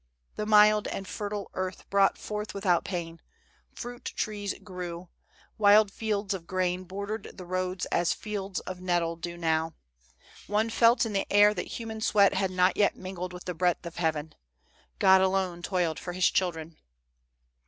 The mild and fertile earth brought forth without pain. Fruit trees grew ; wild fields of grain bordered the roads as fields of nettles do now. One felt in the air that human sweat had not yet mingled with the breath of heaven. God alone toiled for his children.